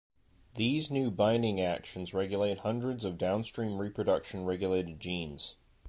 These new binding actions regulate hundreds of downstream reproduction related genes.